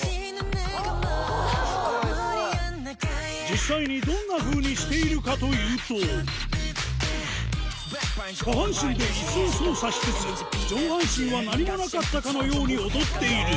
実際にどんなふうにしているかというと下半身でイスを操作しつつ上半身は何もなかったかのように踊っている